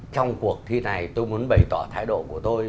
trong cuộc thi này tôi muốn bày tỏ thái độ của tôi